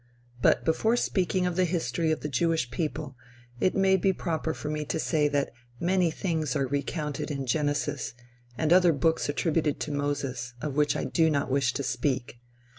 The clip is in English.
But, before speaking of the history of the Jewish people, it may be proper for me to say that many things are recounted in Genesis, and other books attributed to Moses, of which I do not wish to speak.